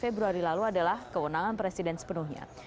dua belas februari lalu adalah kewenangan presiden sepenuhnya